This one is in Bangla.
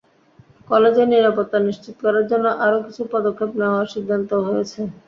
কলেজের নিরাপত্তা নিশ্চিত করার জন্য আরও কিছু পদক্ষেপ নেওয়ার সিদ্ধান্তও হয়েছে।